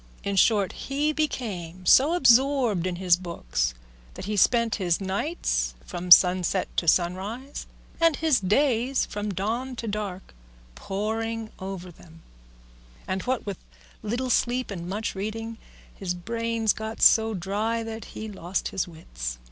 In short, he became so absorbed in his books that he spent his nights from sunset to sunrise, and his days from dawn to dark, poring over them; and what with little sleep and much reading his brains got so dry that he lost his wits.